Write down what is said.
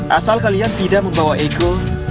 asal kalian tidak membawa ego